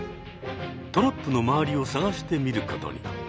トラップの周りを探してみることに。